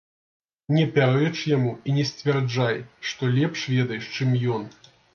Не пярэч яму і не сцвярджай, што лепш ведаеш, чым ён.